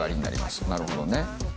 なるほどね。